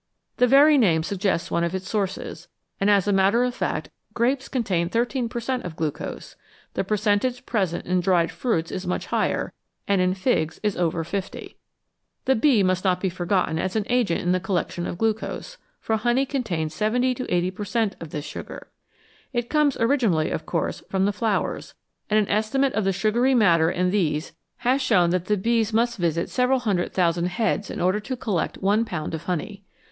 The very name suggests one of its sources, and as a matter of fact grapes contain 1 3 per cent, of glucose ; the percentage present in dried fruits is much higher, and in figs is over 50. The bee must not be forgotten as an agent in the collec tion of glucose, for honey contains 70 to 80 per cent, of this sugar. It comes originally, of course, from the flowers, and an estimate of the sugary matter in these has shown that the bees must visit several hundred thousand heads in order to collect one pound of honey.